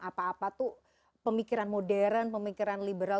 apa apa tuh pemikiran modern pemikiran liberal